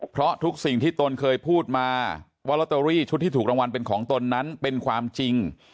เพราะทุกสิ่งที่ตนเคยพูดมาว่าลอตเตอรี่ชุดที่ถูกรางวัลเป็นของตนนั้นเป็นความจริง